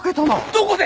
どこで？